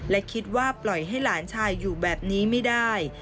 และคิดว่าปล่อยให้หลานชายอยู่แบบนี้ไม่ได้